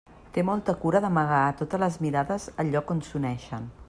Té molta cura d'amagar a totes les mirades el lloc on s'uneixen.